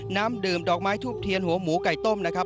น้ำดื่มดอกไม้ทูบเทียนหัวหมูไก่ต้มนะครับ